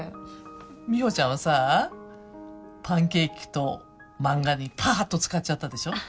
美帆ちゃんはさパンケーキと漫画にぱっと使っちゃったでしょ